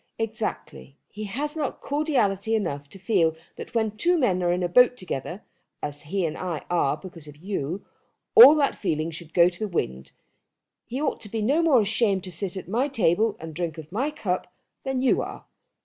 "Exactly. He has not cordiality enough to feel that when two men are in a boat together, as he and I are because of you, all that feeling should go to the wind. He ought not to be more ashamed to sit at my table and drink of my cup than you are.